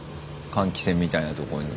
換気扇みたいなとこに。